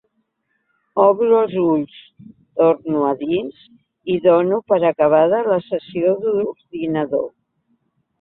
Obro els ulls, torno a dins i dono per acabada la sessió d'ordinador.